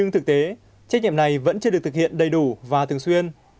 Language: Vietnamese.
trách nhiệm này vẫn chưa được thực hiện đầy đủ và thường xuyên